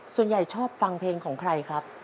ส่วนใหญ่ชอบฟังเพลงของใครครับ